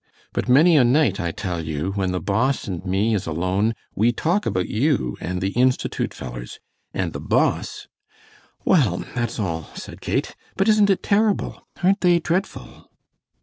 But many a night I tell you when the Boss and me is alone we talk about you and the Institute fellers, and the Boss " "Well, that's all," said Kate, "but isn't it terrible? Aren't they dreadful?"